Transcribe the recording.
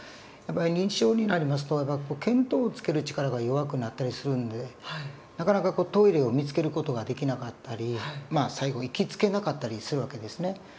やっぱり認知症になりますと見当をつける力が弱くなったりするんでなかなかトイレを見つける事ができなかったり最後行き着けなかったりする訳ですね。